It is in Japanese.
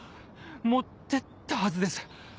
持ってったはずです。